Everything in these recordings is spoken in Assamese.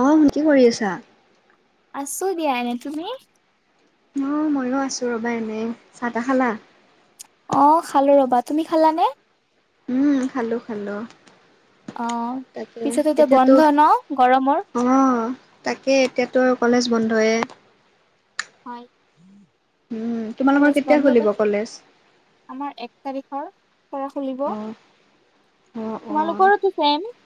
অঁ! শুন কি কৰি আছা? [unintelligible] আছোঁ দিয়া এনেই। তুমি? [inaudible] অঁ! ময়ো আছো ৰবা এনেই। চাহ-তাহ খালা? [unintelligible] অঁ! খালো ৰবা। তুমি খালাা নে? [unintelligible] উম! খালো-খালো। [inaudible] অঁ! পিছত এতিয়া বন্ধ ন গৰমৰ? [unintelligible] অঁ তাকে এতিয়াতো কলেজ বন্ধয়ে। [unintelligible] হয় [unintelligible] উম। [inaudible] কলেজ কেতিয়া বন্ধ খুলিব পাইছে কলেজ? [inaudible] আমাৰ এক তাৰিখৰ পৰা খুলিব। অ', অ', অ', তোমালোকৰোটো চেইম [unintelligible]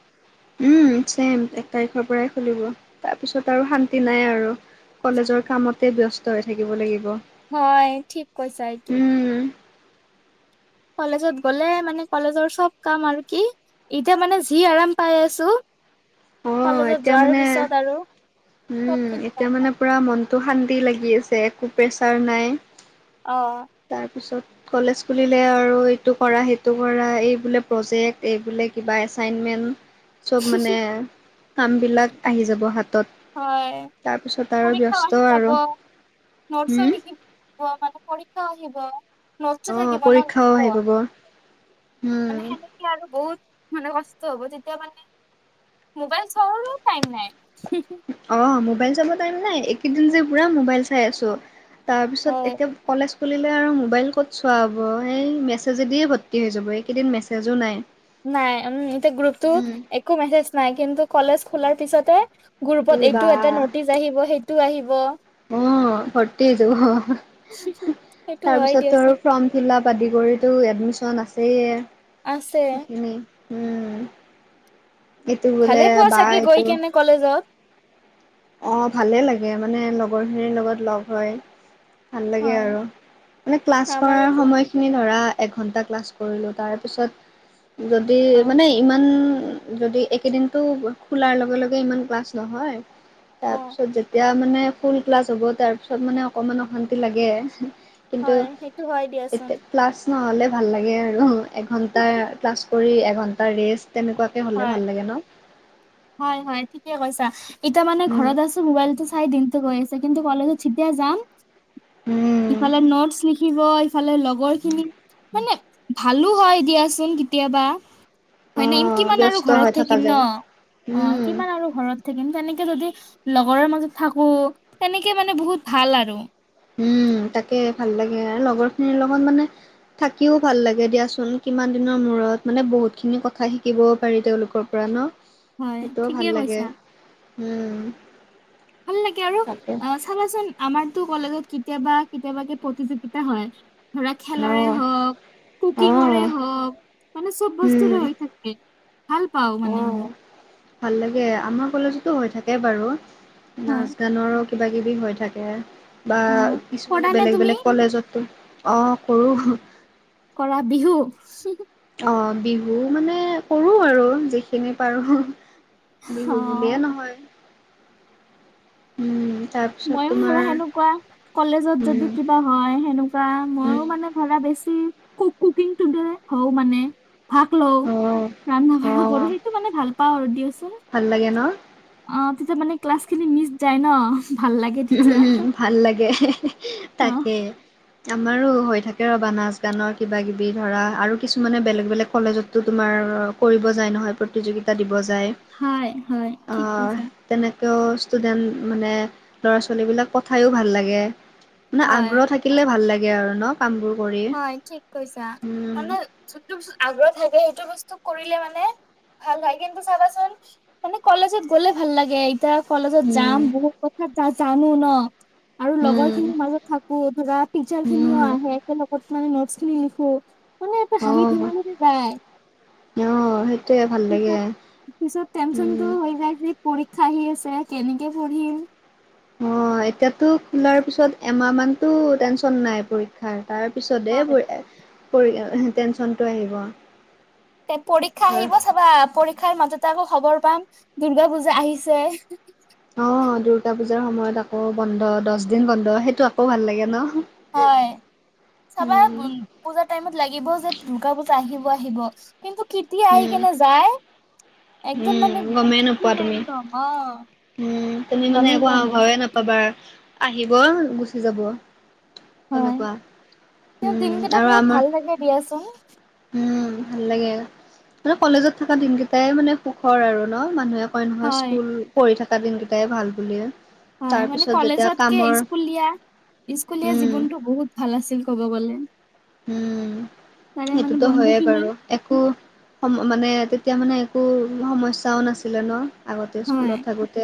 উম! ছেইম এক তাৰিখৰ পৰাই খুলিব তাৰপিছত আৰু শান্তি নাই আৰু। [inaudible] কলেজৰ কামতে ব্যস্ত হৈ থাকিব লাগিব। [inaudible] হয়, ঠিক কৈছা এইটো। [unintelligible] উম। কলেজত গ'লে মানে কলেজৰ চব কাম আৰু কি এতিয়া মানে যি আৰাম পাই আছোঁ [unintelligible] অ', কলেজত এতিয়া যোৱাৰ মানে পিছত আৰু উম, চবখিনি এতিয়া কাম মানে পাম [unintelligible] পুৰা মনটো শান্তি লাগি আছে, একো প্ৰেছাৰ নাই। [unintelligible] অঁ। [inaudible] তাৰ পিছত কলেজ খুলিলে আৰু এইটো কৰা, সেইটো কৰা, এই বোলে প্ৰজেক্ট, এই বোলে [unintelligible] কিবা এচাইনমেণ্ট চব মানে কামবিলাক আহি যাব হাতত, হয় তাৰপিছত আৰু পৰীক্ষাও ব্যস্ত আহি যাব আৰু নটচো হুম লিখিব, পুৱ মানে পৰীক্ষা আহিব অ নুটচো থাকিব ন পৰীক্ষাও আহি বহুত। পাব মানে উম। সেনেকে আৰু বহুত মানে কষ্ট হ'ব তেতিয়া মানে। মোবাইল চাবলো টাইম নাই। অঁ মোবাইল চাব টাইম নাই এইকেইদিন যে পূৰা মোবাইল চাই আছোঁ তাৰপিছত হয় এতিয়া, কলেজ খুলিলে আৰু মোবাইল ক'ত চোৱা হ'ব এই মেছেজেদিয়ে ভৰ্তি হৈ যাব এইকেইদিন মেছেজো নাই। নাই উম এতিয়া গ্ৰুপতটো উম একো মেছেজ নাই কিন্তু কলেজ খোলাৰ পিছতে। এই গ্ৰুপত বা এইটো এটা নটিচ আহিব সেইটো আহিব। অ ভৰ্তি হৈ যাব সেইটো হয় তাৰপিছতো আৰু দিয়াচোন ফ্ৰম, শিলা আদি কৰিছোঁ এডমিশ্যন আছেই ইয়া আছে সেইখিনি। উম এইটো বোলে ভালে পোৱা বা চাগে গৈ এইটো। কেনে কলেজত। অ ভালে লাগে মানে লগৰখিনিৰ লগত লগ হয়। ভাল লাগে হয় আৰু মানে ক্লাছ কৰাৰ আমাৰোতো সময়। এইখিনি ধৰা এঘন্টা ক্লাছ কৰিলো তাৰ পিছত যদি অ মানে, ইমান যদি এই কেদিনটো খোলাৰ লগে লগে ইমান ক্লাছ নহয়। অ তাৰ পিছত যেতিয়া মানে ফুল ক্লাছ হ'ব তাৰপিছত মানে অকমান অশান্তি লাগে। কিন্তু হয় সেইটো হয় দিয়াচোন এতিয়া ক্লাছ নহ'লে ভাল লাগে আৰু এঘণ্টা ক্লাছ, কৰি এঘণ্টা ৰেষ্ট তেনেকুৱাকে হ'লে হয় ভাল লাগে ন। হয় হয় ঠিকে কৈছা এতিয়া মানে উম। ঘৰত আছো। মোবাইলটো চাই দিনটো গৈছে কিন্তু কলেজত যেতিয়া যাম উম, ইফালে নট থাকিব ইফালে লগৰ খিনি। মানে ভালো হয় দিয়াচোন কেতিয়াবা। হয় নে অ' কিমান আৰু ব্যস্ত হৈ ঘৰত থকা থাকিম ন যায়। অ উম, কিমান আৰু ঘৰত থাকিম তেনেকে যদি লগৰ মাজত থাকো তেনেকে মানে বহুত ভাল আৰু উম তাকে ভাল লাগে লগৰ খিনিৰ লগত মানে। থাকিও ভাল লাগে দিয়াচোন কিমান দিনৰ মূৰত মানে বহুতখিনি কথা শিকিবও পাৰি তেওঁলোকৰ। পৰা ন হয় সেইটোও ঠিকে ভাল লাগে কৈছা উম, ভাল লাগে আৰু তাকে। অ, ভাৱাচোন আমাৰতো কলেজত কেতিয়াবা কেতিয়াবা কে প্ৰতিযোগিতা হয়। ধৰা খেলৰে অ', হওক। কুকিংৰে অ', হওক মানে চব উম, বস্তুৰে হৈ থাকে ভাল পাও মানে অ'। এইবোৰ। ভাল লাগে আমাৰ কলেজতো হৈ থাকে বাৰু হয় নাচ গানৰো। কিবা কিবি হৈ থাকে বা অ কৰা কিছুমানে নে বেলেগ তুমি বেলেগ কলেজতো, অ কৰো। কৰা বিহু, অ বিহু মানে কৰো আৰু যিখিনি পাৰো। বিহু অ বুলিয়ে নহয়। উম তাৰপিছত মইও ধৰা তোমাৰ সেনেকুৱা কলেজত যদি উম কিবা। হয় সেনেকুৱা উম মইও মানে ধৰা বেছি কু কুকিংটোদে হও মানে। ভাগ লও অ ৰন্ধা-বঢ়া অ কৰো, সেইটো মানে ভাল পাওঁ আৰু দিয়কচোন। ভাল লাগে ন। অ তেতিয়া মানে ক্লাছ খিনি মিচ যায় ন ভাল লাগে তেতিয়া। উম, ভাল লাগে হে হে হে অ তাকে। আমাৰো হৈ থাকে, ৰবা নাচ-গানৰ কিবা-কিবি ধৰা আৰু কিছুমানে বেলেগ-বেলেগ কলেজতো তো তোমাৰ কৰিব যায় নহয় প্ৰতিযোগিতা দিব যায়। হয়-হয় ঠিক কৈছা। তেনেকৈও ষ্টুডেণ্ট মানে ল'ৰা-ছোৱালীবিলাক পঠায়ো ভাল লাগে। মানে হয় আগ্ৰহ থাকিলে ভাল লাগে আৰু ন কামবোৰ কৰি হয় ঠিক কৈছা উম'। মানে যোনটো বস্তু আগ্ৰহ থাকে সেইটো বস্তু কৰিলে মানে ভাল হয়। কিন্তু চাবাচোন মানে কলেজত গ'লে ভাল লাগে, এতিয়া কলেজত যাম উম, বহুত কথা জানো ন। আৰু লগৰ উম, খিনিৰ মাজত থাকো ধৰা টিচাৰ খিনিও উম। আহে। একেলগত মানে নোটছ খিনি লিখো মানে এটা হাঁহি অ', ধেমালিতে যায়। অ', সেইটোৱে ভাল লাগে পিছত পিছত টেনশনটো উম। হৈ যায় যে পৰীক্ষা আহি আছে কেনেকে পঢ়িম? অ' এতিয়াতো খোলাৰ পিছত এমাহ মানতো টেনশন নাই পৰীক্ষা। হয়। তাৰ পিছতে হয় এইবোৰে এ পঢ়ি টেনশনটো আহিব। তে পৰীক্ষা আহিব চাবা। পৰীক্ষাৰ মাজতে আকৌ' খবৰ পাম দূৰ্গা পুজা আহিছে। অ' দূৰ্গা পূজাৰ সময়ত আকৌ' বন্ধ, দহ দিন বন্ধ সেইটো আকৌ ভাল লাগে ন। হয়, চাবা উম চোন পূজাৰ টাইমত লাগিব যে দূৰ্গা পূজা আহিব-আহিব। কিন্তু কিতিয়া আহি উম কিনে যায় একদম মানে উম গমেই নোপোৱা মানে তুমি একদম অ'। উম' তুমি মানে গমেই একো পোৱা আও নাযায় ভাওয়ে নাপাবা আহিব গুচি যাব। হয় তেনেকুৱা। তেওঁ উম' দিনকেইটা আৰু বহুত আমাৰ ভাল লাগে দিয়াচোন উম' ভাল লাগে। মানে কলেজত থকা দিনকেইটাই মানে সুখৰ আৰু ন মানুহে কয় নহয় হয় স্কুল পঢ়ি থকা দিনকেইটাই ভাল বুলিয়ে। হয় মানে তাৰপিছত যেতিয়া কলেজতকে কামৰ স্কুলীয়া, স্কুলীয়া উম, জীৱনটো বহুত ভাল আছিল ক'ব গ'লে। উম' তাৰে মানে সেইটোতো বন্ধু হয়য়ে খিনি বাৰু। একো সম মানে তেতিয়া মানে একো সমস্যাও নাছিলে ন। আগতে হয় স্কুলত থাকোঁতে।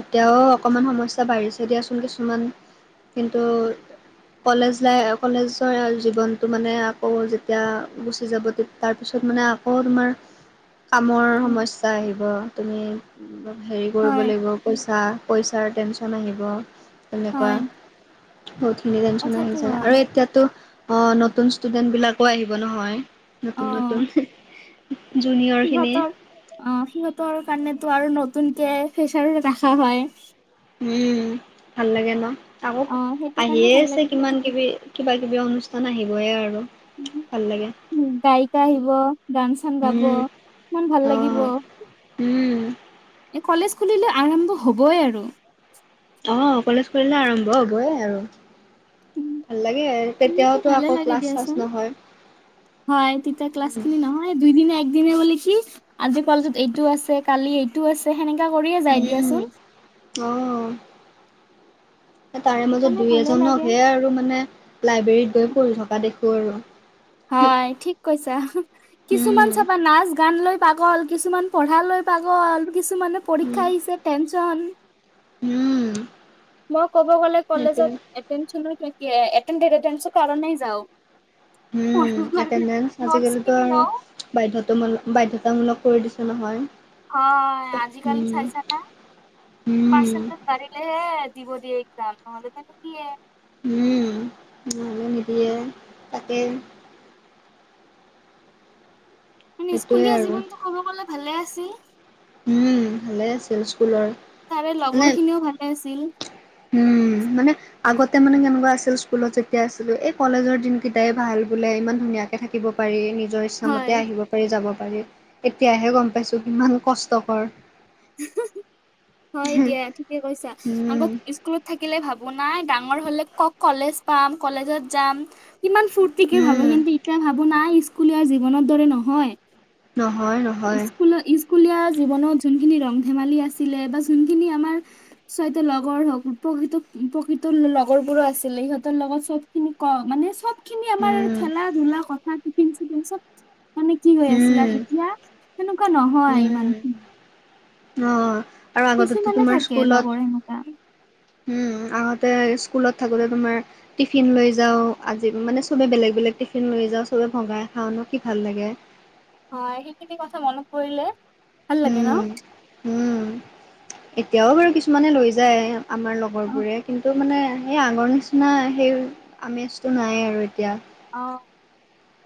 এতিয়াওঁ অকণমান সমস্যা বাঢ়িছে দিয়াচোন কিছুমান। কিন্তু কলেজ লাইফ কলেজৰ জীৱনটো মানে আকৌ যেতিয়া গুচি যাব, তাৰপিছত মানে আকৌ তোমাৰ। কামৰ সমস্যা আহিব, তুমি হেৰি কৰিব হয় লাগিব। পইচা, পইচাৰ টেনশ্যন আহিব তেনেকুৱা। হয় বহুতখিনি টেনশ্যন কথাটো আহি যায়। হয় আৰু এতিয়াতো অ' নতুন ষ্টুডেন্ট বিলাকো আহিব নহয়। অ নতুন নতুন। জুনিয়ৰখিনি সিহঁতৰ, অ' সিহঁতৰ কাৰণেতো আৰু নতুনকে ফেচাৰো ৰাখা হয়। উম' ভাল লাগে ন, আকৌ' অ সেইটো কাৰণে আহিয়ে ভাল আছে লাগে কিমান কিবি। কিবা কিবি অনুষ্ঠান আহিবই আৰু দিয়া ভাল লাগে। গায়িকা আহিব, গান চান গাব, উম ইমান ভাল লাগিব। অ' উম' এই কলেজ খুলিলে আৰম্ভ হ'বই আৰু। অ' কলেজ খুলিলে আৰম্ভ হবয়ে আৰু, উম, ভাল লাগে। সেনেকে তেতিয়াতো ভালে আকৌ লাগে ক্লাছ দিয়াচোন। চাছ নহয়। হয় তেতিয়া ক্লাছ খিনি নহয় দুইদিনে এক দিনে বুলি কি, আজি কলেজত এইটো আছে, কালি এইটো টো আছে সেনেকা কৰিয়ে যাই দিয়াচোন। উম অ' এ তাৰে মাজত সেইকাৰণে দুই ভালে লাগে। এজনক হে আৰু মানে। লাইব্ৰেৰীত গৈ পঢ়ি থকা দেখোঁ আৰু। হয় ঠিক কৈছা কিছুমান উম, চাবা নাচ গান লৈ পাগল কিছুমান পঢ়া লৈ পাগল। কিছুমানে পৰীক্ষা উম, আহিছে টেনছন। উম মই ক'ব গ'লে সেইটোৱে। কলেজত এটেনচন থাকে এটেনচনৰ কাৰণে যাওঁ পঢ়িব উম কাৰণে এটেনচ নোটছ আজিকালিতো কিনি আৰু লওঁ বাধ্যতামূলক বাধ্যতামূলক কৰি দিছে নহয়। হয়। আজিকালি উম, চাইছানে উম, পাৰ্চণ্টিজ পাৰিলে হে দিব দিয়ে এক্সাম নহ'লে তো নিয়িয়ে উম' নিদিয়ে তাকে মানে সেইটোৱে স্কুলীয়া আৰু জীৱনতটো ক'ব গ'লে ভালে আছিল উম' ভালে আছিল স্কুলৰ তাৰে লগৰ মানে খিনিও ভালে আছিল উম' মানে আগতে মানে কেনেকুৱা আছিল স্কুলত যেতিয়া আছিলোঁ এই কলেজৰ দিন কেইটাই ভাল বোলে ইমান ধুনীয়া থাকিব পাৰি নিজৰ হয় ইচ্ছামতে আহিব পাৰি যাব পাৰি এতিয়াহে গম পাইছো কিমান কষ্টকৰ হয় দিয়া ঠিকে কৈছা আকৌ উম, স্কুলত থাকিলে ভাবো নাই ডাঙৰ হলে কও কলেজ পাম কলেজত যাম কিমান ফূৰ্তিকে ভাবো উম। কিন্তু এতিয়া ভাবো নাই স্কুলীয়া জীৱনৰ দৰে নহয় নহয় নহয় স্কুল স্কুলীয়া জীৱনত যোনখিনি ৰং ধেমালি আছিলে বা যোনখিনি আমাৰ ছয়টা লগৰ হওক প্ৰকৃত প্ৰকৃত লগৰ বোৰো আছিলে সিহঁতৰ লগত চব কিনি ক মানে চব খিনি আমাৰ উম, খেলা ধূলা কথা টিফিন চিফিন চব মানে কি হৈ আছিলে উম, আৰু এতিয়া সেনেকুৱা নহয় উম। ইমানখিনি অ' আৰু আগতেতো কিছুমানে তোমাৰ থাকে লগৰ সেনেকুৱা। স্কুলত উম' আগতে স্কুলত থাকোতে তোমাৰ টিফিন লৈ যাওঁ আজি মানে চবে বেলেগ বেলেগ টিফিন লৈ যাওঁ চবে ভগাই খাওঁনো কি ভাল লাগে হয় সেইখিনি কথা মনত পৰিলে ভাল লাগে ন উম, উম। এতিয়াও বাৰু কিছুমানে লৈ যায় আমাৰ লগৰ অ। বোৰে কিন্তু মানে সেই আগৰ নিচিনা সেই আমেজটো নাই আৰু এতিয়া অ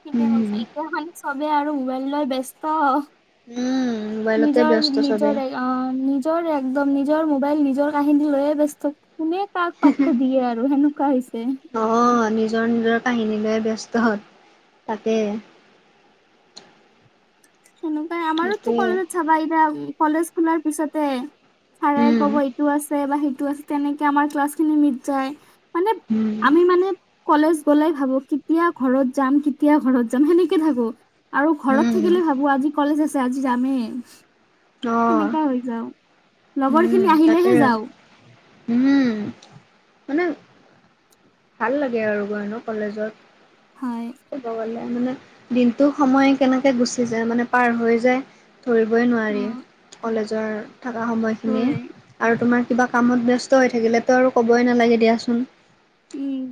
ঠিকে কৈছা উম এতিয়া চবে আৰু মোবাইল লৈ ব্যস্ত উম মোবাইলতে নিজৰ ব্যস্ত চবে নিজৰ অ নিজৰ একদম নিজৰ মোবাইল নিজৰ কাহিনী লৈয়ে ব্যস্ত কোনে কাক পাত্তা দিয়ে আৰু সেনেকুৱা হৈছে নহয় নিজৰ নিজৰ কাহিনী লৈয়ে ব্যস্ত তাকে সেনেকুৱাই আমাৰোতো সেইটোৱে কলেজত চাবা এতিয়া কলেজ খোলাৰ পিছতে ছাৰে উম ক'ব এইটো আছে বা সেইটো আছে তেনেকে আমাৰ ক্লাছ খিনি মিছ যায় মানে উম আমি মানে কলেজ গলে ভাবো কেতিয়া ঘৰত যাম কেতিয়া ঘৰত যাম সেনেকে থাকো আৰু ঘৰত উম থাকিলে ভাবো আজি কলেজ আছে আজি যামে অ সেনেকা হৈ যাও লগৰ উম খিনি তাকে আহিলেহে যাও উম মানে ভাল লাগে আৰু গৈ ন কলেজত হয় কবলে মানে দিনটো সময় কেনেকে গুচি যায় মানে পাৰ হৈ যায় ধৰিবই অ নোৱাৰি কলেজৰ থকা সময়খিনি হয় আৰু তোমাৰ কিবা কামত ব্যস্ত হৈ থাকিলেতো আৰু ক'বই নালাগে দিয়াচোন উম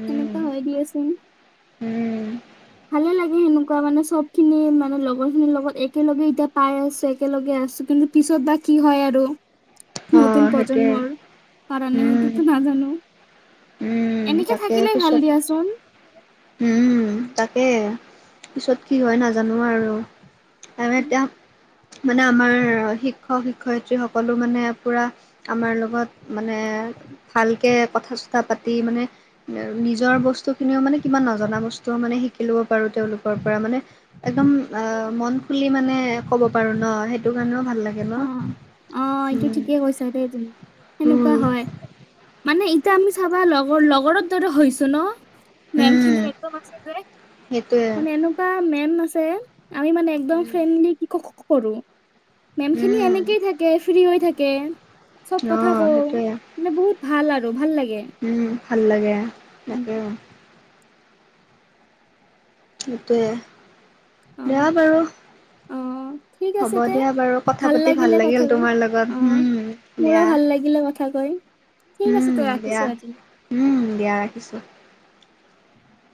উম এনেকুৱা হয় দিয়াচোন উম ভালে লাগে সেনেকুৱা মানে চব খিনি মানে লগৰ খিনিৰ লগত একেলগে এতিয়া পাই আছে একেলগে আছো কিন্তু পিছত বা কি হয় আৰু অ নতুন সেইটোৱে প্ৰজন্মৰ কাৰনে উম সেইটোতো নাজানো উম এনেকে তাকে থাকিলে ভাল পিছত দিয়াচোন উম তাকে পিছত কি হয় নাজানো আৰু আৰু এতিয়া মানে আমাৰ শিক্ষক শিক্ষয়িত্ৰী সকলো মানে পুৰা আমাৰ লগত মানে ভালকে কথা চতা পাতি মানে নিজৰ বস্তু খিনিও মানে কিমান নজনা বস্তুও মানে শিকি লব পাৰো তেওঁলোকৰ পৰা মানে একদম অ মন খুলি মানে ক'ব পাৰো ন সেইটো কাৰণেও ভাল লাগে ন অ অ এইটো উম ঠিকেই কৈছা দেই তুমি সেনেকুৱা উম হয় মানে এতিয়া আমি চাবা লগৰ লগৰৰ দৰে হৈছো ন মেম খিনি উম একদম আছে যে সেইটোৱে মানে এনেকুৱা মেম আছে আমি মানে একদম উম ফ্ৰেণ্ডলি কি কৰো মেম খিনি এনেকেই উম থাক কে ফ্ৰী হৈ থাকে চব অ কথা কওঁ সেইটোৱে মানে বহুত ভাল আৰু ভাল লাগে উম ভাল লাগে উম তাকে সেইটোৱে অ দিয়া বাৰু অ ঠিক আছে হ'ব তে দিয়া বাৰু কথা পাতি লাগিলে ভাল কথা লাগিল কৈ তোমাৰ লগত অ হোম মোৰো দিয়া। ভাল লাগিলে কথা কৈ ঠিক আছে তই উম ৰাখিছো দিয়া আজি। উম দিয়া ৰাখিছোঁ।